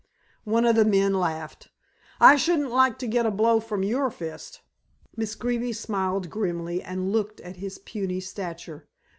One of the men laughed. "I shouldn't like to get a blow from your fist." Miss Greeby smiled grimly, and looked at his puny stature.